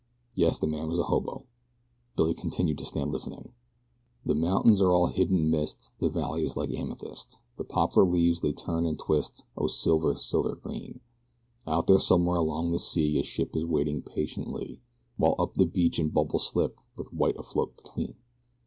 Yes, the man was a hobo. Billy continued to stand listening. The mountains are all hid in mist, the valley is like amethyst, The poplar leaves they turn and twist, oh, silver, silver green! Out there somewhere along the sea a ship is waiting patiently, While up the beach the bubbles slip with white afloat between.